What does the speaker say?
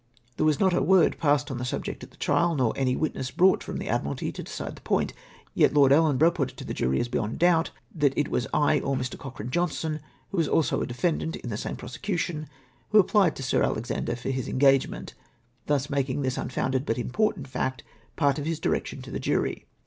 There was not a word passed on the subject at the trial, nor any Avitness brought from the Admiralty to decide the point. Yet Lord EUenborough put it to the jury as beyond doubt, that it was I or Mr. Coclirane Johnstone^ who ivas also a defendant in the same prosecution., who applied to Sir Alexander for his engagement !— thus making this un founded but important fact part of his direction to the jury.